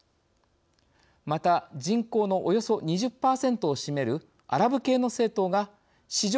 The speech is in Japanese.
また人口のおよそ２０％を占めるアラブ系の政党が史上